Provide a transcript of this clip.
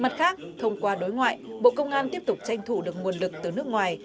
mặt khác thông qua đối ngoại bộ công an tiếp tục tranh thủ được nguồn lực từ nước ngoài